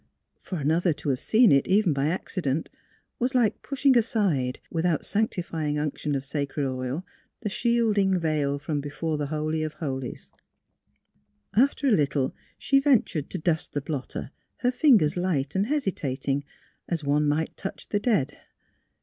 For another to have seen it, even by acci dent, was like pushing aside, without sanctifying unction of sacred oil, the shielding veil from be fore the Holy of Holies. 226 THE HEAET OF PHILUEA After a little she ventured to dust the blotter, her fingers light and hesitating, as one might touch the dead.